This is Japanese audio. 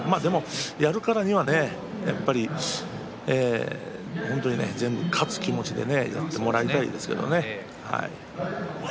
やるからには、やっぱり本当に全部勝つつもりでやってもらいたいですけどね。